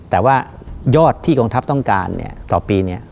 แต่ว่ายอดที่กองทัพต้องการต่อปีเนี่ย